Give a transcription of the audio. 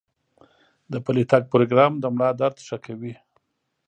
د پلي تګ پروګرام د ملا درد ښه کوي.